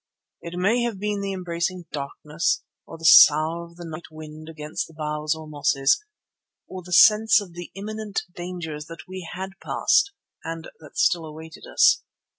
It may have been the embracing darkness, or the sough of the night wind amongst the boughs and mosses, or the sense of the imminent dangers that we had passed and that still awaited us.